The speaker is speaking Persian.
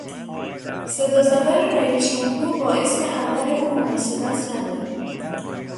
صدا زدن رییس جمهور با اسم اول او مناسبت ندارد.